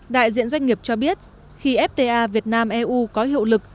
đại diện doanh nghiệp cho biết khi fta việt nam eu có hiệu lực